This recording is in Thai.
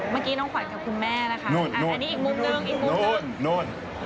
เมื่อกี้น้องขวัญกับคุณแม่นะคะอันนี้อีกมุมหนึ่งอีกมุมนู่น